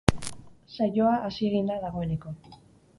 Saioa hasi egin da dagoeneko.